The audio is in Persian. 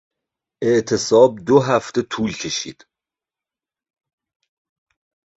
اعتصاب دو هفته طول کشید.